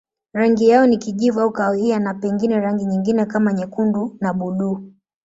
Rangi yao ni kijivu au kahawia na pengine rangi nyingine kama nyekundu na buluu.